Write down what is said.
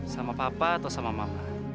sama papa atau sama mama